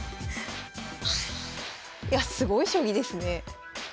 いやすごい将棋ですね。